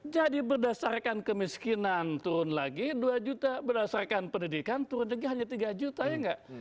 jadi berdasarkan kemiskinan turun lagi dua juta berdasarkan pendidikan turun lagi hanya tiga juta ya enggak